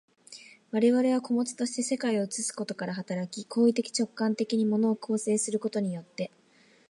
我々は個物として世界を映すことから働き、行為的直観的に物を構成することによって、